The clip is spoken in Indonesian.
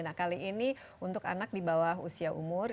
nah kali ini untuk anak di bawah usia umur